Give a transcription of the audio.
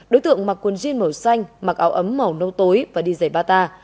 đối tượng mặc quần jean màu xanh mặc áo ấm màu nâu tối và đi dày bata